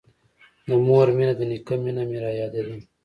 د مور مينه د نيکه مينه مې رايادېده.